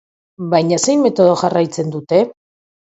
Baina zein metodo jarraitzen dute?